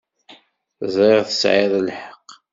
Ẓṛiɣ tesɛiḍ lḥeq.